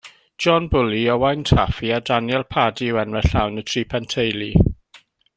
John Bully, Ywain Taffi, a Daniel Paddy yw enwau llawn y tri penteulu.